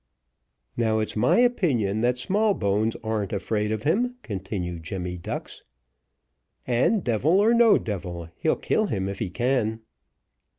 "Now, it's my opinion, that Smallbones ar'n't afraid of him," continued Jemmy Ducks, "and devil or no devil, he'll kill him if he can."